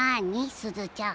すずちゃん。